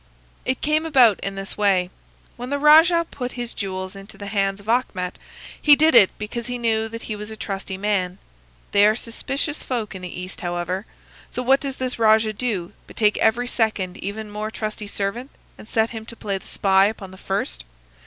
"It came about in this way. When the rajah put his jewels into the hands of Achmet he did it because he knew that he was a trusty man. They are suspicious folk in the East, however: so what does this rajah do but take a second even more trusty servant and set him to play the spy upon the first?